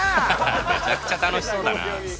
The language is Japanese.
めちゃくちゃ楽しそうだな。